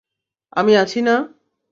আমি আছি না!